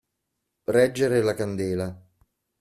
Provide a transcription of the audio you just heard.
Reggere la candela.